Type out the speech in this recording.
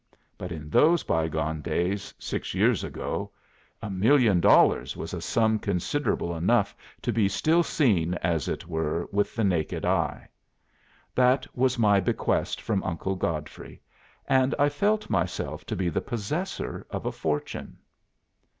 But in those bygone times six years ago, a million dollars was a sum considerable enough to be still seen, as it were, with the naked eye. That was my bequest from Uncle Godfrey, and I felt myself to be the possessor of a fortune."